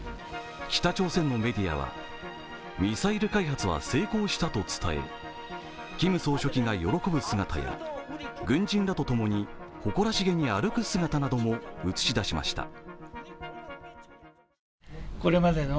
北朝鮮のメディアは、ミサイル開発は成功したと伝えキム総書記が喜ぶ姿や軍人らとともに、誇らしげに歩く姿も映し出しました。